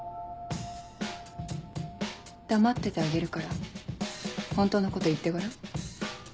黙っててあげるから本当のこと言ってごらん。